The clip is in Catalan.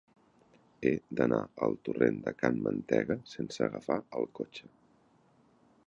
He d'anar al torrent de Can Mantega sense agafar el cotxe.